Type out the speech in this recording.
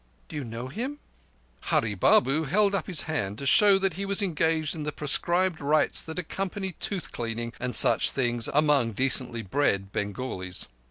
"Do you know him?" Hurree Babu held up his hand to show he was engaged in the prescribed rites that accompany tooth cleaning and such things among decently bred Bengalis.